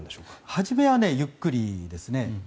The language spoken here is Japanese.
初めはゆっくりですね。